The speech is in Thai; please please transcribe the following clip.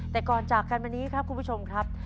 แต่ก่อนจากกันวันนี้ครับคุณผู้ชมครับ